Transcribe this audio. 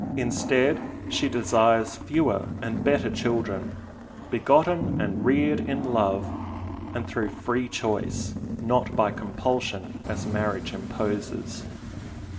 Instead she desires fewer and better children, begotten and reared in love and through free choice; not by compulsion, as marriage imposes.